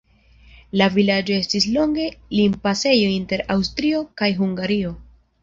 La vilaĝo estis longe limpasejo inter Aŭstrio kaj Hungario.